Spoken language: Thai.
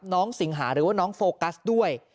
สิงหาหรือว่าน้องโฟกัสด้วย